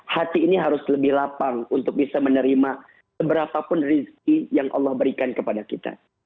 hati ini harus lebih lapang untuk bisa menerima seberapapun rizki yang allah berikan kepada kita